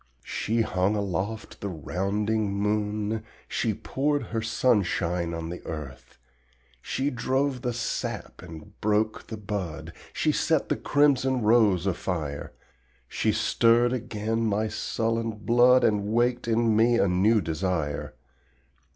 She hung aloft the rounding moon, She poured her sunshine on the earth, She drove the sap and broke the bud, She set the crimson rose afire. She stirred again my sullen blood, And waked in me a new desire.